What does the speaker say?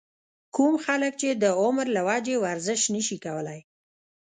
کوم خلک چې د عمر له وجې ورزش نشي کولے